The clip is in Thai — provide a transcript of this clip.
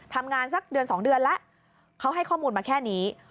ทำงานสักเดือนสองเดือนแล้วเขาให้ข้อมูลมาแค่นี้